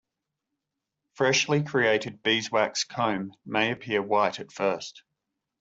Freshly created beeswax comb may appear white at first.